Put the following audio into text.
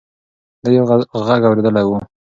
ده یو غږ اورېدلی و.